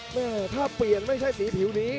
สมมุมเพิ่งเปลี่ยนไม่ใช่สีผิวนี้